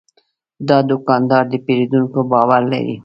دا دوکاندار د پیرودونکو باور لري.